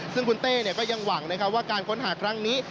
ซึ่งคุณเต้ก็ยังหวังนะครับว่าการค้นหาครั้งนี้